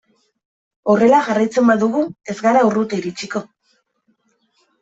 Horrela jarraitzen badugu ez gara urruti iritsiko.